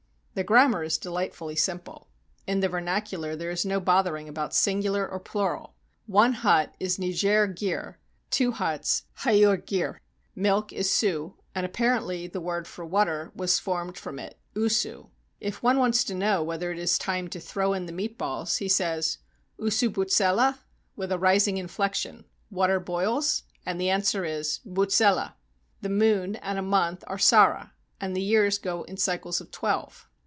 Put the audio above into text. The grammar is delightfully simple. In the vernacu lar there is no bothering about singular or plural. "One hut" is niger gir; "two huts," hayur gir. "Milk" is su; and apparently the word for "water" was formed from it — on su. If one wants to know whether it is time to throw in the meat balls, he says, "Ow su houtzela ?" with a rising inflection ("Water boils?") and the answer is, ^' Boutzela.'' The "moon" and a "month" are sara, and the years go in cycles of twelve.